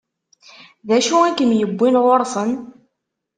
D acu i kem-iwwin ɣur-sen?